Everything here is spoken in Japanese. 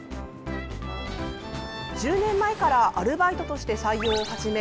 １０年前からアルバイトとして採用を始め